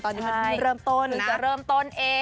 ตอนนี้เป็นที่เริ่มต้นหรือจะเริ่มต้นเอง